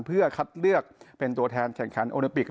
เพื่อคัดเลือกเป็นตัวแทนแข่งขันโอลิปิก